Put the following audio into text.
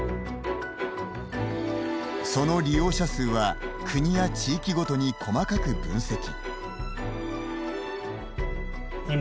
その利用者数は国や地域ごとに細かく分析。